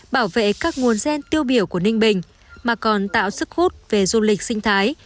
bảo vệ các nguồn gen tiêu biểu của ninh bình mà còn tạo sức hút về du lịch sinh thái